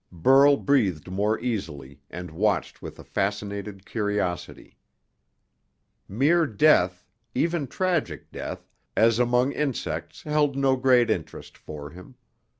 Burl breathed more easily, and watched with a fascinated curiosity. Mere death even tragic death as among insects held no great interest for him.